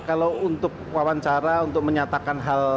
kalau untuk wawancara untuk menyatakan hal